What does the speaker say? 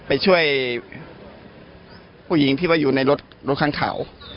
ไปช่วยผู้หญิงที่ว่าอยู่ในรถรถข้างเขา